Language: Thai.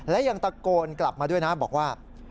และยังตะโกนกลับมาด้วยนะบอกว่า